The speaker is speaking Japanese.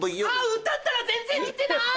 歌ったら全然似てない！